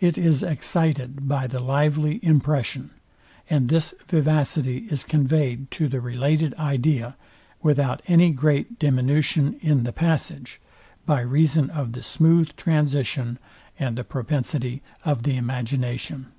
It is excited by the lively impression; and this vivacity is conveyed to the related idea, without any great diminution in the passage, by reason of the smooth transition and the propensity of the imagination.